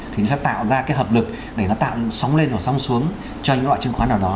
thì nó sẽ tạo ra cái hợp lực để nó tạo sóng lên và sóng xuống cho những loại chứng khoán nào đó